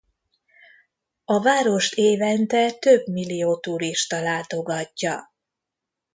A várost évente több millió turista látogatja.